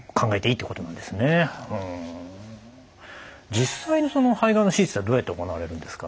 実際の肺がんの手術っていうのはどうやって行われるんですか？